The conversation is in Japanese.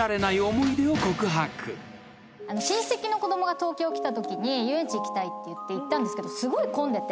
親戚の子供が東京来たときに遊園地行きたいっていって行ったんですけどすごい混んでて。